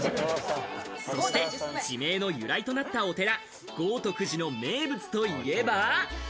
そして地名の由来となったお寺、豪徳寺の名物といえば。